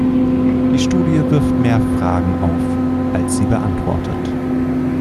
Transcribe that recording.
Die Studie wirft mehr Fragen auf, als sie beantwortet.